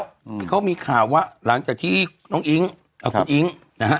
อืมเขามีข่าวว่าหลังจากที่น้องอิ๊งเอ่อคุณอิ๊งนะฮะ